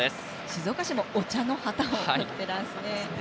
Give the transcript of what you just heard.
静岡市もお茶の旗を振っていますね。